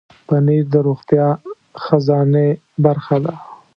پنېر د روغتیا خزانې برخه ده.